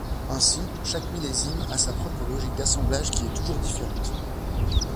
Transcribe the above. Ainsi, chaque millésime a sa propre logique d’assemblage qui est toujours différente.